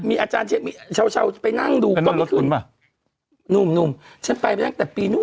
มีชาวไปนั่งดูก็ไม่ขึ้นนุ่มฉันไปไปนั่งแต่ปีนู้น